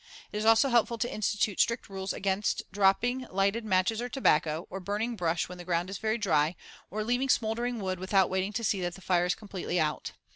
It is also helpful to institute strict rules against dropping lighted matches or tobacco, or burning brush when the ground is very dry, or leaving smouldering wood without waiting to see that the fire is completely out.